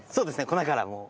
粉からもう。